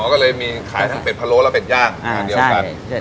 ก็เลยมีขายทั้งเป็ดพะโล้และเป็ดย่างงานเดียวกัน